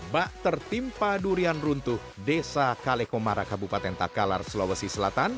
bakter tim padurian runtuh desa kale komara kabupaten takalar sulawesi selatan